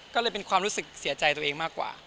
ก็เลยเป็นความรู้สึกเสียใจตัวเองมากกว่า